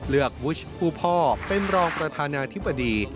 วุชผู้พ่อเป็นรองประธานาธิบดี